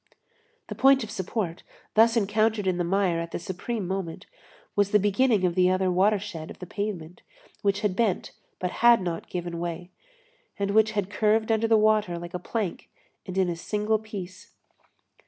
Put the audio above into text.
The point of support, thus encountered in the mire at the supreme moment, was the beginning of the other watershed of the pavement, which had bent but had not given way, and which had curved under the water like a plank and in a single piece.